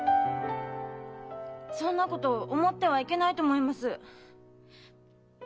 そんなこと思ってはいけないと思います。